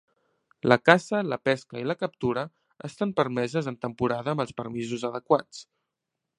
La caça, la pesca i la captura estan permeses en temporada amb els permisos adequats.